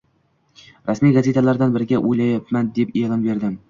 Rasmiy gazetalardan biriga o’layapman deb e’lon berdim.